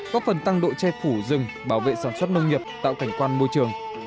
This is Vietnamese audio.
có phần tăng độ che phủ rừng bảo vệ sản xuất nông nghiệp tạo cảnh quan môi trường